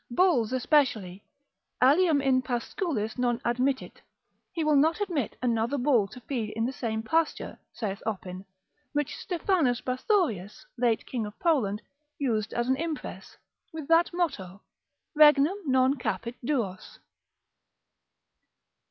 Bulls especially, alium in pascuis non admittit, he will not admit another bull to feed in the same pasture, saith Oppin: which Stephanus Bathorius, late king of Poland, used as an impress, with that motto, Regnum non capit duos.